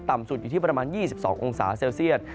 สุดอยู่ที่ประมาณ๒๒องศาเซลเซียต